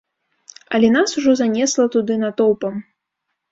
Але нас ужо занесла туды натоўпам.